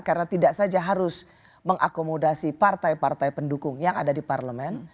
karena tidak saja harus mengakomodasi partai partai pendukung yang ada di parlemen